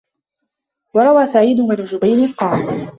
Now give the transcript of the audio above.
وَرَوَى سَعِيدُ بْنُ جُبَيْرٍ قَالَ